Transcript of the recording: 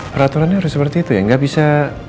peraturannya harus seperti itu ya nggak bisa